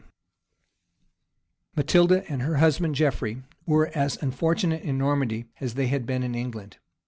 } Matilda and her husband Geoffrey were as unfortunate in Normandy as they had been in England.